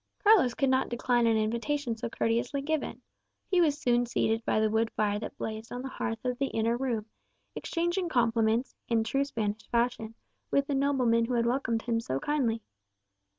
Carlos could not decline an invitation so courteously given. He was soon seated by the wood fire that blazed on the hearth of the inner room, exchanging compliments, in true Spanish fashion, with the nobleman who had welcomed him so kindly.